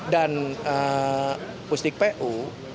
dan pustik pu